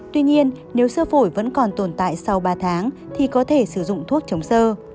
tuy nhiên nếu sơ phổi vẫn còn tồn tại sau ba tháng thì có thể sử dụng thuốc chống sơ